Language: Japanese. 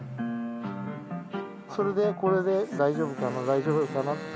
それでこれで大丈夫かな大丈夫かな。